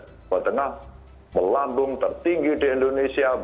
jawa tengah melambung tertinggi di indonesia